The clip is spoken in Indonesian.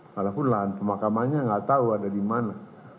walaupun lahan pemakamannya nggak tahu ada di mana